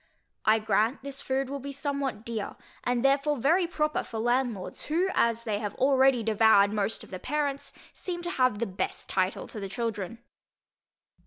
I grant this food will be somewhat dear, and therefore very proper for landlords, who, as they have already devoured most of the parents, seem to have the best title to the children.